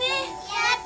やった！